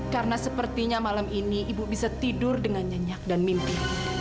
karena sepertinya malam ini ibu bisa tidur dengan nyenyak dan mimpi